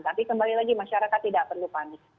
tapi kembali lagi masyarakat tidak perlu panik